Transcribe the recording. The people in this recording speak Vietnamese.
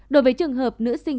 đối với trường hợp nữ sinh c